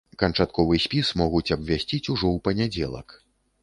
Канчатковы спіс могуць абвясціць ужо ў панядзелак.